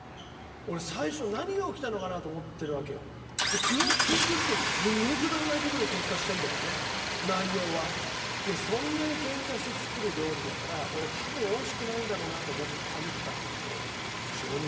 俺最初何が起きたのかなと思ってるわけよ。でよく聞いてると内容は。でそんなにケンカして作る料理だから俺多分美味しくないんだろうなと思って食べてたんだけど。